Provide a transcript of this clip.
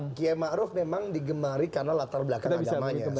bahwa kiem ma'ruf memang digemari karena latar belakang agamanya